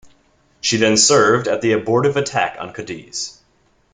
She then served at the abortive attack on Cadiz.